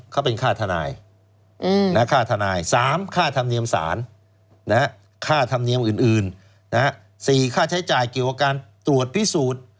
เขาเป็นค่าทนายค่าทนาย๓ค่าธรรมเนียมสารค่าธรรมเนียมอื่น๔ค่าใช้จ่ายเกี่ยวกับการตรวจพิสูจน์